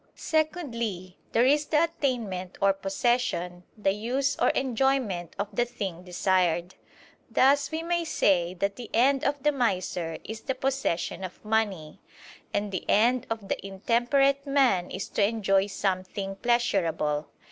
Secondly there is the attainment or possession, the use or enjoyment of the thing desired; thus we may say that the end of the miser is the possession of money; and the end of the intemperate man is to enjoy something pleasurable.